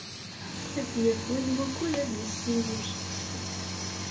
Ad d-yaf win wukud ad yessiwel.